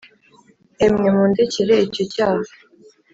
Emwe mundekere icyo cyaha